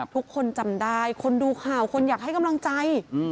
ทุกคนจำได้คนดูข่าวคนอยากให้กำลังใจ